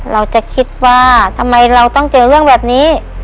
เราจะคิดว่าทำไมเราต้องเจอเรื่องแบบนี้